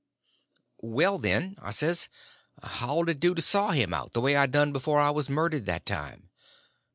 "Well, then," I says, "how 'll it do to saw him out, the way I done before I was murdered that time?"